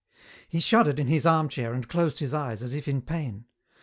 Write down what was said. He shuddered in his armchair and closed his eyes as if in pain.